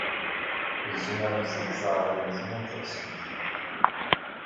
Tzemremt ad d-tɛerḍemt win teɣsemt.